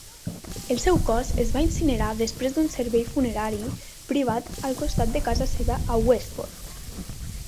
El seu cos es va incinerar després d'un servei funerari privat al costat de casa seva a Westport.